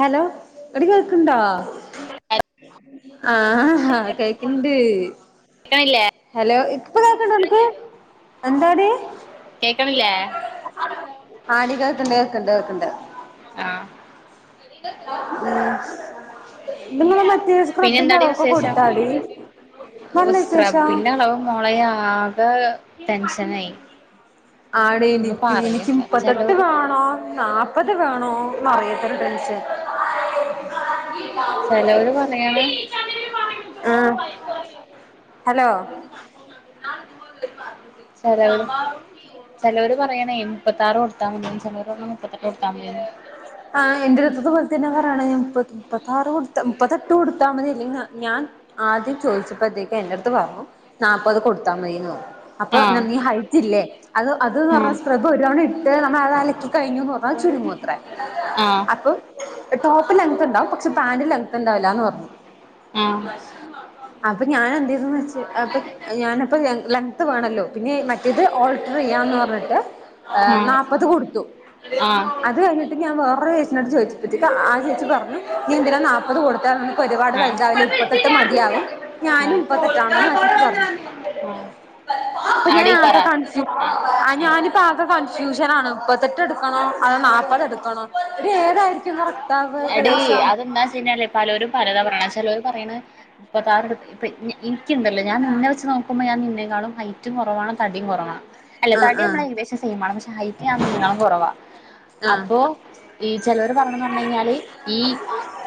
Hello എടി കേൾക്ക്ണ്ടോ [unintelligible] ആ ഹ കേക്ക്ണ്ട് [unintelligible] ഹലോ ഇക്ക് കേക്കണില്ലേ ആടി കേക്ക്ണ്ട് കേക്ക്ണ്ട് കേക്ക്ണ്ട് ആഹ് മ്ഹ് പിന്നെ ഇങ്ങള് മറ്റേ പിന്നെ സ്ക്രബ്ബിന്റെ എന്താടി അളവൊക്കെ വിശേഷം കൊടുത്താടീ നല്ല വിശേഷം പിന്നെ അളവ് മോളെ ആക ടെൻഷനായി ആണ് ഒന്നും എനിക്കും എനിക്കും പറയണ്ട മുപ്പത്തെട്ട് ചെലോര് വേണോ നാ പ്പത് വേണോ എന്ന് അറിയാത്തൊരു ടെൻഷൻ ചെലോര് പറയാണ് ആഹ് ഹലോ [unintelligible] ചെലോര് പറയണേ മുപ്പത്താറ് കൊടുത്താ മതിയെന്ന് ചെലവര് പറയുന്നു മുപ്പത്തെട്ട് കൊടുത്താ മതിയെന്നു ആഹ് എന്റെ അടുത്ത് ഇതുപോല തന്നെ പറയണ് ഞാൻ മുപ്പ മുപ്പത്താറ് കൊടുത്ത മുപ്പത്തെട്ട് കൊടുത്താ മതി ഇല്ലെങ്കി ന ഞാൻ ആദ്യം ചോയിച്ചപ്പഴ്ത്തേക്കും എന്റെടുത്ത് പറഞ്ഞു നാപ്പത് കൊടുത്താൽ മതീന്ന് പറഞ്ഞു അപ്പൊ ന ആഹ് നീ ഹൈറ്റില്ലേ അത് അത് ന്ന് പറഞ്ഞ ആഹ് സ്ക്രബ് ഒരു തവണ ഇട്ട് നമ്മള് അത് അലക്കി കഴിഞ്ഞുന്ന് പറ അപ്പൊ അത് ചുരുങ്ങു അത്രേ ആഹ് അ അപ്പം ടോപ്പ് ലെങ്ങ്ന്ത് ഉണ്ടാവും പക്ഷെ പാന്റ് ലെങ്ങ്ന്ത് ഉണ്ടാവില്ലാന്ന് പറഞ്ഞു ആഹ് അപ്പം ഞാൻ എന്തെയ്തൂന്ന് വെച്ച് അപ്പം ഞാനപ്പം ലെങ് ലെങ്ന്ത് വേണല്ലോ പിന്നെ മറ്റേത് ഓൾട്ടറെയ്യാന്ന് പറഞ്ഞിട്ട് ആ നാപ്പത് കൊടുത്തു അ ത് കഴിഞ്ഞിട്ട് ഞാൻ വേറൊരു [unintelligible] ചോയ്ച്ച് അപ്പഴ്ത്തേക്ക് ആ ചേച്ചി പറഞ്ഞു നീ എന്തിന നാപ്പത് കൊടുത്തെ നിനക്ക് ഒരുപാട് ആ വലുതാവില്ലേ മുപ്പത്തെട്ട് മതിയാകും ആ ഞാനും മുപ്പത്തെട്ടാണെന്ന് ആ ചേച്ചി പറഞ്ഞു അപ്പം ഞാൻ ആടി ആക പറ കൺ ആ ആഹ് ആ ഞാനിപ്പം ആക കൺഫ്യൂഷൻ ആണ് മുപ്പത്തെട്ട് എടുക്കണോ അതോ നാപ്പത് എടു ക്കണോ എടി ഏതായിരിക്കും കറക്റ്റാവുക ഏകദേശം [unintelligible] പലോരും പലത പറണെ ചെലോര് പറയണ് മുപ്പത്താറേട് ഇപ്പ ഈ ന എനിക്കിണ്ടല്ലോ ഞാൻ നിന്നെ വെച്ച് നോക്കുമ്പം ഞാൻ നിന്നേക്കാളും ഹൈറ്റും കൊറവാണ് തടിയും കൊറവാണ് അല്ല ആഹ് തടി ആഹ് നമ്മള് ഏകദേശം സെയിമാണ് പക്ഷെ ഹൈറ്റ് ഞാൻ നിന്നെ ക്കാളും കൊറവാ ആഹ് അപ്പൊ ഈ ചെലവര് പറണെന്ന് പറഞ്ഞ് കഴിഞ്ഞാല് ഈ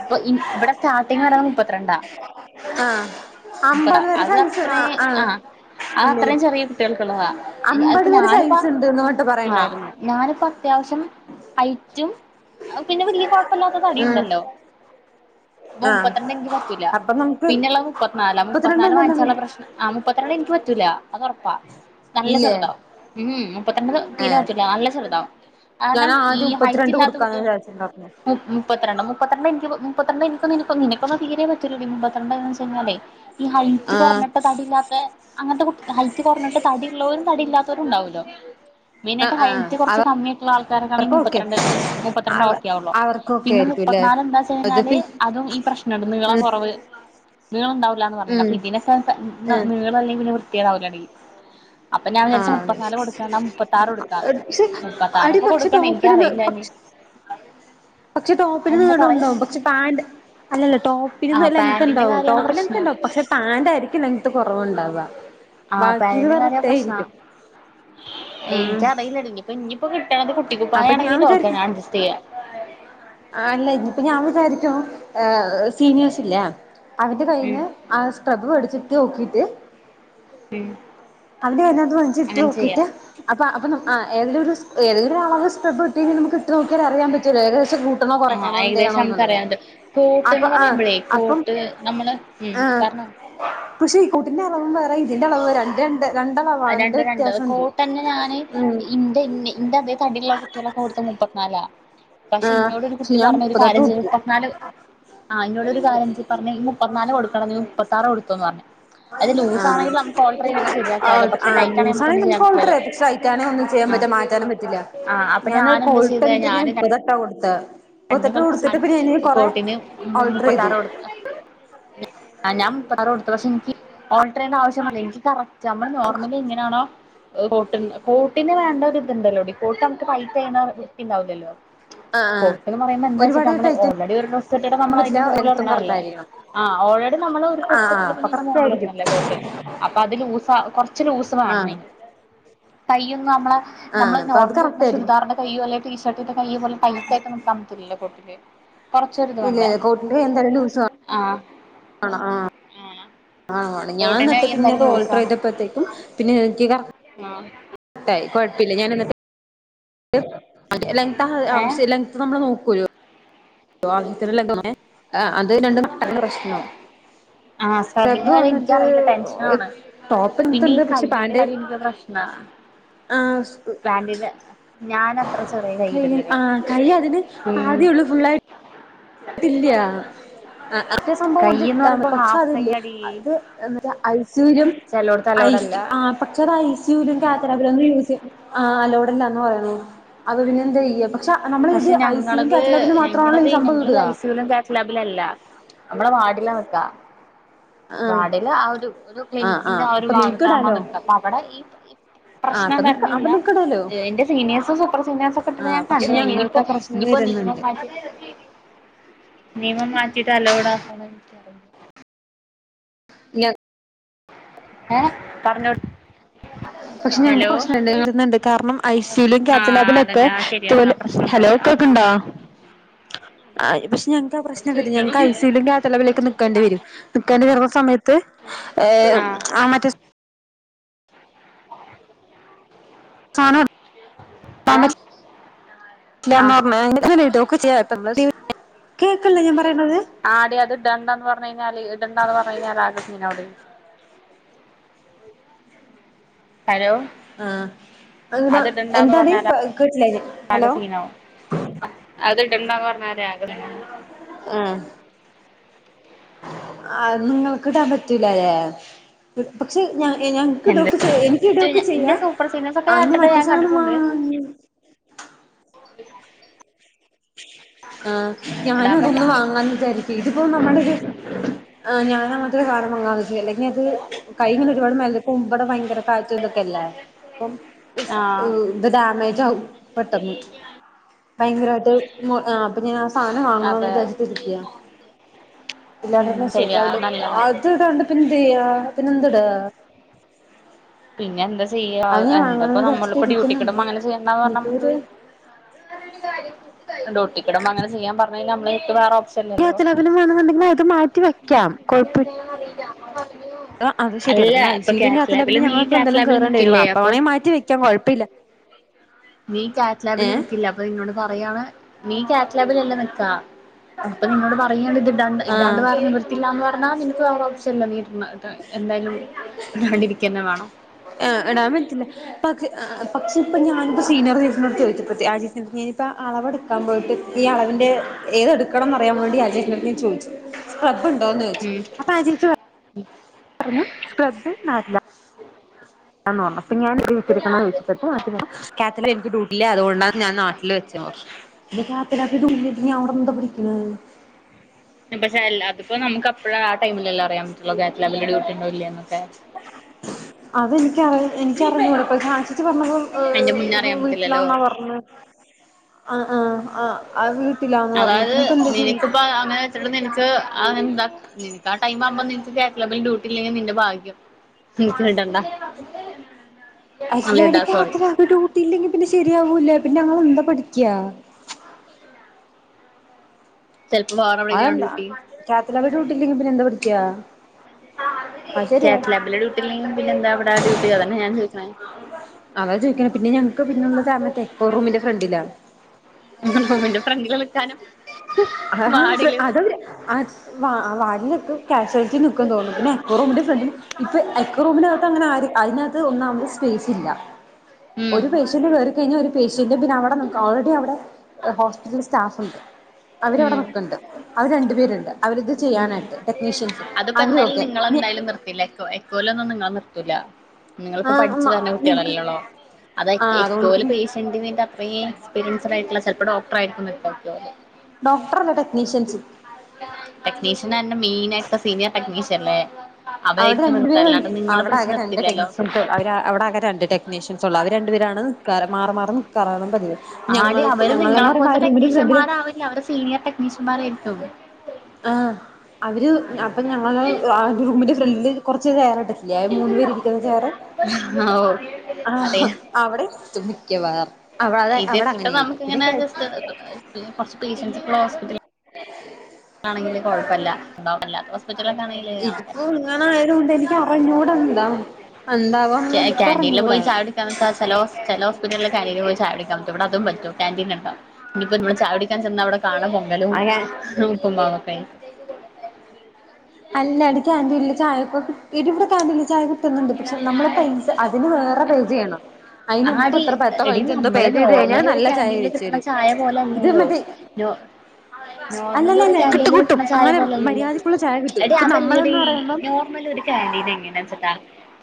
ഇപ്പം ഇ ഇവിടെ സ്റ്റാർട്ടിങ് അളവ് മുപ്പത്തിരണ്ടാ ആഹ് മുപ്പത അമ്പത് വരെ അത് സൈസ് അത്രേം ആഹ് ആ ഇല്ലല്ലേ അത്രയും ചെറിയ കുട്ടിൾക്ക്ള്ളതാ അതിപ്പ അമ്പത് വരെ ഞാനിപ്പ സൈസ് ഉണ്ട്ന്ന് പറഞ്ഞിട്ട് ആഹ് പറയണ്ടായിരുന്നു ഞാന്പ്പ അത്യാവശ്യം ഹൈറ്റും പിന്നെ വെല്ല്യ കൊഴ ഇപ്പല്ലാത്ത തടി ഉം ഇണ്ടല്ലോ അപ്പൊ ആഹ് മുപ്പത്ത് രണ്ട് എനിക്ക് പറ്റൂല. അപ്പൊ നമുക്ക് പിന്നെള്ള മു മുപ്പത്തിനാല് മുപ്പത്തിനാല് മുപ്പത്തിരണ്ടല്ലല്ലോ വ വാങ്ങിച്ചാനുള്ള പ്രശ്നം ആഹ് മുപ്പത്തിരണ്ട് എനിക്ക് പറ്റൂല അത് ഉറപ്പാ നല്ല ഇല്ലേ ചെറുതാ പിന്നെ മുപ്പത്തിരണ്ട് തീരെ ഏഹ് പറ്റൂല്ല നല്ല ചെറുതാ ഞാൻ കാരണം ഈ ആദ്യം ഹൈറ്റ് മുപ്പത്തിരണ്ട് ഇല്ലാത്ത കൊടുക്കാന്ന് കുട്ട് വിചാരിച്ചിണ്ടായിരുന്നു മ്മ് മ് മുപ്പത്തിരണ്ട് മുപ്പത്തിരണ്ട് എനിക്ക് മുപ്പത്തി രണ്ട് എനിക്കും നിഅനക്കൊന്നും തീരെേ പറ്റൂലടി മുപ്പത്തിരണ്ടന്ന് വെച്ചഴിഞ്ഞാലേ ഈ ഹൈറ്റ് ആഹ് കുറഞ്ഞിട്ട് തടില്ലാത്തെ അങ്ങനത്തെ കു ഹൈറ്റ് കുറഞ്ഞിട്ട് തടി ഉള്ളവരും തടില്ലാത്തവരും ഉണ്ടാവല്ലോ ആഹ് മെയിനായിട്ട് ആഹ് ഹയ്റ്റ് അവ കുറച്ച് കമ്മി ആയിട്ടുള്ള ആൾക്കാരൊക്കൊണെങ്കി അവർക്കൊക്കെ മുപ്പത്തിരണ്ട് മുപ്പത്തി രണ്ട് അവ ഒക്കെ ആവുള്ളു അവർക്കൊക്കെ പിന്നെ ആയിരിക്കുംല്ലേ മുപ്പത്തിനാല് എന്താ വച്ചഴിഞ്ഞാല് അതിപ്പി അതും ഈ പ്രശ്ണണ്ട് നീളം ഉം കുറവ് നീളുണ്ടാവൂല്ല എന്ന് പറഞ ഉം അപ്പൊ ഇതിനക്കെ ഉം നീളല്ലെങ്കി പിന്നെ വൃത്തിയോവില്ലാണ്ടെങ്കിൽ അപ്പൊ ഞാൻ വിചാരിച്ചു ആഹ് മുപ്പത്തിനാല് കൊടുക്കണ്ണം മുപ്പത്താറ് കൊടുക്ക പക്ഷെ മുപ്പത്താറ അടി ഒക്കെ പക്ഷെ കൊടുക്കണ്ണം ടോപ്പിന് എനിക്കറില്ല ഇനി പക്ഷ പക്ഷെ ടോപ്പിന് എന്താ നീളം പറയ് ഉണ്ടാവും പക്ഷെ പാന്റ് അല്ല ല്ല ടോപ്പിന്ന് ആഹ് ലെങ്ത് പാന്റിന്റെ ഇണ്ടാവും കാര്യാണ് ടോപ്പിൽ പ്രശ്നം പക്ഷെ പാന്റ് ആയിരിക്കും ലങ്ത്ത് കൊറവുണ്ടാവ വാൾക്കിത്‌ പറഞ്ഞിട്ട് എനിക്കറിയില്ല ഇന്നിപ്പ ഇനിയിപ്പോ കിട്ടാണ്ട് കുട്ടി അപ്പൊ കുപ്പയാന്നെങ്കിൽ ഓക്കേയാണ് അഡ്ജസ്റ്റ് ചെയ്യാം ആ അല്ല ഇനിയിപ്പ ഞാൻ വിചാരിച്ചു. ഏഹ്, സീനിയേഴ്സ് ഇല്ലേ അവര്ടെ ഉം കയ്യ്ന്ന് ആഹ് സ്ക്രബ് അടിച്ചിട്ട് നോക്കിട്ട് ട്ടിന് അവിടെരുന്നത അഞ്ജ്ട്ട് നോക്കിട്ട് അപ്പ അപ്പ നം ആഹ് ഏതൊരു സ് എതെങ്കിലൊരു അളവ് സ്ടപെട്ടീനെങ്ങി നമ്മക്ക് ഇട്ട് നോക്കിയ അറിയാ പറ്റല്ലോ ഏകദേശം കൂ വേട്ടണോ ആഹ് കൊറക്കണോ എന്തിയെണോ ഏകദേശം എന്നുള്ളത് നമുക്കറിയാണ്ട് അപ്പൊ കോട്ട്ന്ന് ആഹ് പറയുമ്പഴേ അപ്പം കോട്ട് നമ്മള് ഉം ആഹ് പറഞ്ഞോ പക്ഷെ ഈക്കൂട്ടിന്റെ അളവും വേറെ ഇതിന്റെ അളവ് വേറെ രണ്ട് ര ത് രണ്ടളവാണ് എന്നത് രണ്ട് വ്യത്യാസണ്ട് മ് ഇണ്ണി ഇന്റെ അതേ തടിള്ള കുട്ടികളൊക്കെ കൊടുത്തത്‌ മുപ്പത്തിനാലാ പക്ഷെ ആ ഇന്നോട് ഒരു പക്ഷെ കുട്ടി ഞാൻ പറഞ്ഞ ഒരു ഇപ്പ തൊട്ട് കാര്യം ഇജ് കുടിക്കും മുപ്പത്നാല് ആ ഇന്നോട് ഒരു കാര്യം ഇജ് പറഞ്ഞ ഈ മുപ്പത്തിനാല് കൊടുക്കണംന്ന് മുപ്പത്താറ് കൊടുതൊന്ന് പറഞ് അത് ലൂസ് ആണെങ്കിൽ നമുക്ക്ഓൾട്ടറീതിട്ട് ഓ ആ ലൂസ് ആണെങ്കിൽ നമുക്ക് ഓൾട്ടറയ്യ പക്ഷെ അയിക്കാനും ഒന്നും ചെയാൻ ആഹ് പറ്റാ മാറ്റാനും പറ്റില്ല ആഹ് അപ്പൊ ഞാനൊരു ഞാനെന്താ ചെയ്തേ ക്കൂട്ടണ്ട് ഞാൻ ഞാന് ഇപ്പയാട്ടാ കൊടുത്തെ രണ്ടും മുപ്പത്തെട്ട് കൊടുത്തിട്ട് പിന്നെ ഇനി കൽപ്പിച്ച് കൊറെ കോട്ടിന് ഓൾട്ടർ ചെയ്തു മുപ്പത്താറൊടുത്ത് ആഹ് ഞാൻ മുപ്പത്താർ കൊടുത്തു പക്ഷെ എനിക്ക് ഓൾട്ടർ ചെയ്യണ്ട ആവശ്യവന്നില്ല എനിക്ക് കറക് ച്ചമ്മൾ നോർമലി എങ്ങനെയാണോ കൊട്ട് കോട്ടിന് വേണ്ട ഒരിതുണ്ടല്ലോടി കോട്ട് അൻക് പൈറ്റയിഞ്ഞ വൃത്തിണ്ടാവില്ലല്ലോ ആഹ് ആഹ് കൊട്ട്ന്ന് പറയുന്നത് എന്താച്ട്ട ഒരുപാട് നമ്മള് ടൈറ്റ് ഓൾറെഡി ഒരു ഡ്രസ്സ് ഇട്ടിട്ട നമ്മൾ അതിന്റെ പറ്റില്ല മുകളിൽ ലെങ്ത്തും കറക്റ്റ് ഇടണതല്ലേ ആയിരിക്കണം ആ ഓൾറെഡി നമ്മള് ഒരു ആഹ് ആഹ് ഡ്രെസ്സിട്ടിട്ട് അപ്പൊ പിന്ന അയ്‌ന്റെ കറക്റ്റ് മോൾല് ഇടുന്നതല്ലേ ആയിരിക്കും കോട്ട് അപ്പൊ അത് ലൂസാ കൊർ ച്ച് ലൂസ് വേണം ആഹ് അയിന് കയ്യൊന്നും നമ്മള് ആഹ് നമ്മള് അപ്പൊ അത് കറക്റ്റ് നോർമലിടുന്നാ ആയിരിക്കും ചുരിദാറിൻന്റെ കയ്യോ അല്ലെ ടീഷർട്ടിന്റെ കയ്യ് പോലെ ടൈറ്റായി ട്ടില്ല പൊതുവെ കൊറച്ചൊരിത് വേണ്ടെ ഇല്ല ആഹ് ആണൊ ആഹ് ആണോ ഞാൻ കോട്ടിന് അന്ന്ട്ട് പിന്നെ അത് കയ്യെന്തായാലും ഓൾട്ടർയ്തപ്പോഴത്തേക്കും പിന്നെ ഇൻക് കറ ഉം ടൈ കുഴപ്പലേൽ ഞാനൊന്ന് ഓന്റെ ലെങ്ത്ത് ആ ഏ ആവശ്യം ലെങ്ത്ത് നമ്മൾ നോക്കൂല്ലോ [unintelligible] ആഹ് അത് രണ്ടും [unintelligible] പ്രശ്ണാവും ആ സ്ക്രബിന്റെ [unintelligible] കാര്യം വന്നിട്ട് എനിക്കറിയില്ല ടെൻഷനാണ് ടോപ്പ് എന്റടുത്ത്‌ പിന്നെ ഈ ഉണ്ട് പക്ഷെ കയ്യിന്റെ പാന്റ് കാര്യം എനിക്ക് പ്രശ്നാ ആഹ് പാന്റിന്റെ ഞാനത്ര ചെറിയ കൈ കയ്യിടല്ലടി ആഹ് കൈ അതിന് ഉം പാതിയേ ഉള്ളൂ ഫുള്ളായിട്ട് അതില്ല്യ ആഹ് അത്രെ സംഭവം കയ്യ്ന്ന് പറയുമ്പോ [unintelligible] പക്ഷെ ഹാഫ് അതില്ലേ കയ്യാടി അത് എന്ന്ച്ച [unintelligible] ചെലോട്ത് അലൗഡല്ല ആഹ് പക്ഷെ അത് ഐ സി യു ലും കാറ്ററാബിലൊന്നും യൂസ് ആഹ് അലൗഡല്ലാന്ന് പറയണു അത് പിന്നെ എന്ത് ചെയ്യ പക്ഷെ നമ്മളിത് പക്ഷെ ഐ സി യു ന്റെ ഞങ്ങളത് കാറ്റ ലാബില് മാത്രമാണല്ലോ ഈ സംഭവ് റ്റ ലാബിലല്ല നമ്മള വാർഡിലാ വെക്കാ ആ വാർഡില് ആ ഒരു ഒരു ക്ലിനിക്കിന്റെ ആ ഒരു അപ്പൊ നിങ്ങക്ക് ഭാഗത്താകുമ്പോ ഇടാലോ നിക്ക അപ്പൊ അവിടെ ഈ ഇ ആഹ് പ്രശ്നം അപ്പൊ നിക്ക അപ്പൊ വരണില്ല നിക്കണല്ലോ എന്റെ സീനിയേഴ്സും സൂപ്പർ സീനിയേർസൊക്കെ ഇട്ടിട്ട് ആഹ് ഞാൻ പക്ഷെ കണ്ടി ഞങ്ങൾക്ക് ഇനിയിപ്പോ ആ പ്രശ്നം ഇനിപ്പോ നിയമ വരുന്നുണ്ട് മാറ്റ നിയമം മാറ്റിട്ട അ ലൗഡ് ആക്കണേ യ്ക്കാ ഞ ഏഹ് പറ്ഞ്ഞോ [inaudible] പക്ഷേ ഞങ്ങക്ക് പ്രശ്നണ്ട് വർന്നുണ്ട് കാരണം ഐ സ യിലും ആ കാപ്സ ലാബിലും ഒക്കെ അതന്നെ ആ ശരിയാ ആ തോല് പ്രശ്നം ഹലോ ഉണ്ടാവൂല ആ കേക്ക്ണ്ടോ [inaudible] ആഹ് പക്ഷെ ഞങ്ങക്ക് ആ പ്രശ്നം വരും ഞങ്ങക്ക് ഐ സി യിലും കാത്തലവിലേക്ക് നിക്കണ്ടി വരും നിക്കണ്ടി വരുന്ന സമയ ത്ത് ഏഹ് ആഹ് മറ്റെ സ് സനോ ഏഹ് ആഹ് [unintelligible] ഓക്ക് ചെയ്യാൻ [unintelligible] കേക്കില്ലേ ഞാൻ പറയണത് ആടി അത് ഇടണ്ടാന്ന് പറഞ്ഞ് കയിഞ്ഞാല് ഇടണ്ടാ പറഞ്ഞ കഴിഞ്ഞാൽ ആകെ സീനാവും ടീ ഹലോ ആഹ് അഹ് ന്നാ അത് ഇടണ്ടാന്ന് എന്താഡി പറഞ്ഞാൽ ഇയ്ക്ക് മൻസ്സിലായില ഹലോ അത്ടണ്ടാന്ന് പറഞ്ഞാലേ ആഗ്രഹം ആഹ് ആഹ് നിങ്ങൾക്കിടാൻ പറ്റൂലല്ലേ പക്ഷെ ഞ എനി ഞാക്ക് എന്ത് ഇട്ഒക്കെ ചെയ്യ എനിക്കിട് യൊക്കെ ചെയ്യ ഇന്റെ സൂപ്പർ സീനിയേഴ്സ് ഒക്കെ ആയിന് ഇട്ടിട്ട് മറ്റേ ഞാൻ സാനം കണ്ടിട്ടുണ്ട് വാങ്ങണം ഞ്ഞ് ആഹ് ഞാനും ഇടാൻ പറ്റ ഇതൊന്ന് വാങ്ങാന്ന് ചാരിക്കെ ഇതിപ്പോ [unintelligible] ഏഹ് ഞാനത് [unintelligible] അല്ലെങ്കിൽ അത് കയ് ഞ് ഒരുപാട് മേ കുമ്പട ഭയങ്കര പാറ്റെം തൊക്കെല്ലേ പ്പം തുസ് ആഹ് ഓഹ് ത് ഡാമേജ് ആവും പെട്ടന്ന് ഭയങ്കരയിട്ട് മു ആ പന്ന് ഞാസ് സാനം അതെ വാങ്ങണന്ന്ച്ചിട്ടിരിക്കയാ ഉം ഇല്ലാപ്പം ശരിയാ ശരിയാവ് ല അത് നല്ലതാ അത് ടാണ്ട പ്പം ന്തെ യ്യ്യ പിന്നെന്ത ടാ പിന്നെ എന്താ ചെയ്യാ അത് ഞാൻ എന്താപ്പ വാങ്ങണന്ന് നമ്മളിപ്പോ ഡ്യൂട്ടി വിചാരിച്ചിട്ടിരിക്കുന്നുണ്ട് കിടുമ്പോ അങ്ങനെ ചെയ്യണ്ടാന്ന് പറഞ്ഞാ ഇനിയിപ്പോ നമക്ക് ഒരു ഡ്യൂട്ടിക്കിടുമ്പോ അങ്ങനെ ചെയ്യാൻ പറഞ്ഞ നമ്മള് വേറെപ്ഷ [unintelligible] ൽ അത് മാറ്റിവ വെക്കാം കുഴപ്പ ആ അത് ശരിണ് അല്ല പിന്ന ഇപ്പൊ ഐസിയു കാറ്റ് കാത്ത ലാമ്പില് ലാബില് നീ ഞങ്ങക്ക് കാറ്റ് എന്തലും ലാബില് കറേണ്ടി വരു നിക്കില്ലേ അപ്പൊ അപ്പവണേള് മാറ്റി വെക്കൻ കുഴപ്പമില്ല നീ കാറ്റ്ലാബില് നിക്കില്ല അപ്പൊ നിന്നോട് പറയയാണ് നീ കാറ്റ്ലാബിൽല്ല നിക്കാ അപ്പൊ നിന്നോട് പറയണ് ഇത് ഇടാണ്ട് ഇടാണ്ട് ആഹ് വേ നിവർത്തിയില്ലാന്ന് പറഞ്ഞാൽ നിനക്ക് വേരേ ഓപ്ഷൻഇല്ല നീ ഇടണ് ഇട എന്തായാലും ഇതാണ്ടിരിക്കഞ്ഞേ വേണം എഹ് ഇടാൻ പറ്റില്ല പക്ഷെ ആ ഹ് ആഹ്പക്ഷെ പ്പൊ ഞാനിപ്പ സീനിയർചേച്ചിനോട് ചോദിച്ച പ്പത്തേ ആ ചേചി ഞാനിപ്പ അളവെട് ക്കാ പോയിട്ട് ഈ അളവിന്റെ ഏതെടുക്കണംന്ന് അറിയാൻ വേണ്ടി അജയ് ട്ടന്റെ ട്ത്ത് ഞാ ചോദിച്ചു സ് ക്കപ്പ് ണ്ട ന്ന് യിച്ചു അപ്പ ആ ചേച്ചി പ റഞ്ഞു ഫ്ലബ് നാട്ടിലാ ന്ന് പറ്ഞ്ഞു അപ്പ ഞാൻ ഇട്ടിരിക്കുന്നെ [unintelligible] കാത്തല എനിക്ക് ഡ്യൂട്ടില്ലാ അതുകൊണ്ടാ ഞാൻ നാട്ടില് വെച്ചെ പറ്ഞ്ഞു ഇ കാത്തലാബി [unintelligible] നി അവിടെ എന്താ പടിക്ക്ണ പക്ഷെ അല്ലാ അത്പ്പോ നമുക്ക്പ്പഴാ ആ ടൈമിലല്ലാ അറിയാൻ പറ്റുള്ളോ കാതലാബി ഡ്യൂട്ടി ണ്ടോ ഇല്ലയന്നൊക്കെ അത് ഇൻക്ക് അറി എനിക്കറിഞ്ഞൂടാ പക്ഷേ ച്ചി പറഞ്ഞത് അയിന്റെ മുന്നേ അറിയാൻ പറ്റില്ലല്ലോ വീട്ടിലാന്നാ പറ്ഞ്ഞേ ആഹ് ആഹ് ആഹ്ആ വീ അതായത് നിനക്ക് പ്പ അങ്ങനെ നിന എന്താ നിക്ക് ആടൈ ആുമ്പ നിനയാലബിൽ ഡ്യൂട്ടി ഇല്ലെങ്കിൽ നിന്റെ ഭാഗ്യം [unintelligible] ഇടാ അതിലടയ്ക്ക് സോറി അത്ര ട്യൂട്ടിയില്ലെങ്കി പിന്നെ ശെരിയാകൂലേ പിന്നെ ഞങ്ങ എന്താ പഠിക്കുക ചിലപ്പം വാറെവിളാണ് ഡ്യൂട്ടി ക്യാപിലറി ടുട്ടി ഇലേങ്കിൽ പിന്നെ എന്ത പഠിക്കാ അത് കേ ശരിയാ പബിലെ ഡ്യൂട്ടിയില്ലെങ്കിലും പിന്നെ എന്താ അവിടെ ഡ്യൂട്ടി അതന്നെ ഞാൻ ചോദിക്കണേ അതാ ചോദിക്കണ പിന്നെ ഞങ്ങക്ക് പിന്നുള്ള താമത്തെ എക്കോറൂമിന്റെ ഫ്രണ്ടിലാ മിന്റെ ഫ്രണ്ടില് വിളക്കാനും അഹാ അത് അട്സ് വാടിലൊക്കെ കാക്ഷലറ്റി ദുഃഖ തോന്നൂ പിന്നെ എറുംന്റെ ഫ്രണ്ടിൽ ഇപ്പൊ എക്ക റൂമിനകത്ത് അങ്ങനെ ആ അതിനകത്ത് ഒന്നുംാവുമുടെ സ്പേസ് ഇല്ല ഉം ഒരു പേഷ്യൻ്റ് വരു ഴിഞ്ഞൽ ഒരു പേഷ്യന്റ് പിന്നെ അടെ ഓൾറെഡി അടെ ഹോസ്പിറ്റലൽ സ്റ്റാഫ് ഉണ്ട് അവരവിടെ ഉം നക്കുണ്ട് അവര് രണ്ടു പേരുണ്ട് അവരി ഇത് ഉം ചെയ്യാനായിട്ട് ടെക്നീഷ്യൻസ് അതിപ്പോ അവരും എന്തായാലും ഒക്കെ നിങ്ങള എന്തായാലും നിർത്തില്ല എക്കല ഒന്നും നിങ്ങ നിർത്തൂല നിങ്ങളിപ്പോ ആഹ് പഠിച്ചു പറഞ്ഞ ഞങ്ങക്ക് കുട്ടികളല്ലള്ളോ അത ആഹ് അതുകൊണ്ട് എലും പിന്നെ പ എന്തിന് ൻ്റെ അപ്പയ് എസ്പീരിയൻസ്ഡായിയിുള്ള ചിലപ്പോൾ ഡോ എായിരിക്കക്ക ഡോക്ടറല്ല ടെക്നീഷ്യൻസ് ടെക്നീഷ്യൻെ റഞ്ഞാൽമെയിനായിട്ട സീനിയർ ടെക്നീഷ്യൻല്ലേ അവ അവിടെ ആരിക്ക നിർത്താാനിങ്ങളെ പിടിിച്ചു നിർത്തില്ലല്ലോ അവ അവിടെ അകെ രണ്ട് ടെക്നീഷ്യൻസ ഉള്ള അവര് രണ്ടു പേരാണ് മാറ മാറുന്നു കറണം പതി ആടി ഞങ്ങൾക്ക് അവര് നിങ്ങളെ ഞങ്ങളുംണ്ടും പോലത്തെ ഫ്രണ്ടിലും ടെക്നീഷ്യന്മാരാവില്ല അവര് സീനിയർ ടെക്നീഷ്യന്മാരായിരിത്തും ആ അവര് അപ്പൊ ഞങ്ങ റൂമിന്റെ ഫ്രണ്ടില് കുറച്ച് കയറട്ടണ്ട് ഇല്ല മൂന്ന് പേ ഇരിക്കുന്ന ചെയ്റ് ഹഹാ ആ അവിടെത്തും മിക്കവാറും അത ഇത് അവിടെ ഇട്ടിട്ട് അങ്ങനെ ആായിരിക്കും പിന്നെ നമുക്കിങ്ങനെ ജസ്റ്റ് കുറച്ച് പേഷ്യൻസ് ുള്ളഹോസ്പ ആണെങ്ക കുഴപ്പമല്ല ഉണ്ടല്ല ഹോസ്പിറ്റലൊക്കെ ആണെങ്കിൽ ഇതിപ്പോൊ ഇങ്ങനെ ആയത കൊൊണ്ട് എനിക്ക് അറിഞ്ഞുട എന്താ എന്താവാ എന്ന എനിക്ക് പറഞ്ഞുടാ ച ഹോസ്പിറ്റലില കയവി ഇവി അതും പറ്റും കാക്ൻറീൻ ഉണ്ടും [unintelligible] ഇനിയിപ്പോ നമ്മള ചവിടിക്കാൻ ചെന്ന അവിടെ കാണാ പൊലും നക്കുമ്പൊക്കെ അല്ല അടിക്ൻറില്ല ചായൊക്കെ ഇടി ഇവിടെ ക്ൻറില്ല ചായ പണ്ട് പക്ഷെ നമ്മളിപ്പോ അതിന് വേറെ പേച ചെയ്യണം അതിന് ആ ഇപ്പ അടി എത്ര പത്തോ എടി പതിനഞ്ചോ എന്തോ പേ നമ്മള് ചെയ്ത് കഴിഞ്ഞാൽ നോർമലി ഒരു നല്ല ചായ കാക്ാന്റീനിൽ വെച്ച് കിട്ടണ തരും ചായ ഇത് പോലെല്ലല്ലോ മറ്റേ നേ അല്ലല്ലല്ല കിട്ടും നോർമലകേൻ്റിന്ന് കിട്ടും കിട്ടണ ചായ അങ്ങനെ പോലെല്ലല്ലേ മര്യാദക്കുള്ള ചായ കിട്ടും എടി ഇപ്പൊ അതല്ലടി നമ്മളെന്ന് പറയുമ്പം നോർമല് ഒരു കാൻ്റി ൻ്റിന്എങ്ങനാ വെച്ചട്ടാ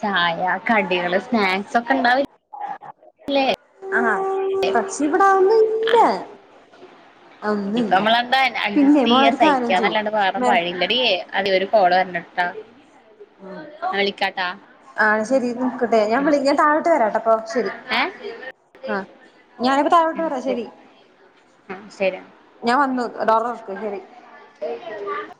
ചായ കടികള് സ്നാക്സ് ഒക്കെ ഉണ്ട കില്ലെ ആഹ് പക്ഷ ഇവിടാതൊന്ന ഇല്ല ഇനിയിപ്പ ഒന്നുല്ല നമ്മളെന്താ പിന്നെ അഡജസ്റ്റ് മോളെ ചെയ്യാ ഒരു കാര്യം ചെയ്യ് സഹിക്കാന്നല്ലാണ്ട് വേറും മേ പഴിയില്ല അ അത്വരു കോട വഞ്ഞിട്ടാ വിളിക്കാട്ടാ ആഹ ശരി നോക്കട്ടെ ഞാൻ ഉം വിളിക്കട്ട താഴത്ത് വരാട്ടോ അപ്പ ശെരി ഏ ആഹ ഞാനിപ്പോ താഴോട്ട് പരാ ശരി ആ ശരി ഞാൻ വന്നു ഡോർ തുറക്ക് ശരി ശരി നാണു